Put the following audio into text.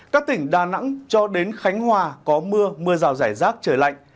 các tỉnh đà nẵng cho đến khánh hòa có mưa mưa rào rải rác trời lạnh